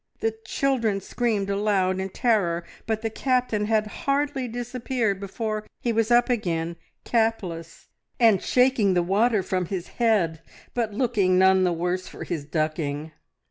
The children screamed aloud in terror, but the Captain had hardly disappeared before he was up again, capless, and shaking the water from his head, but looking none the worse for his ducking.